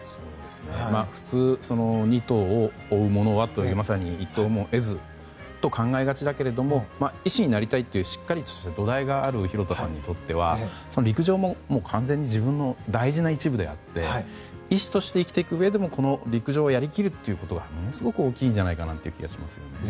普通、二兎を追うものはまさに一兎も得ずと考えがちですけども医師になりたいというしっかりとした度台がある広田さんにとっては陸上も完全に自分の大事な一部であって医師として生きていくうえでも陸上をやりきるということはものすごく大きいんじゃないかという気がしますね。